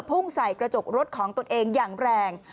พุ่งใส่กระจกรถของตนเองอย่างแรง